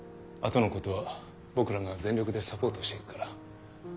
あとのことは僕らが全力でサポートしていくから。